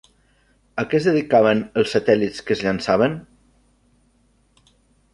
A què es dedicaven els satèl·lits que es llançaven?